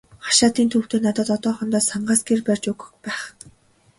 Хашаатын төв дээр надад одоохондоо сангаас гэр барьж өгөх байх.